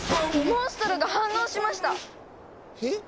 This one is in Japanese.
モンストロが反応しました！へ？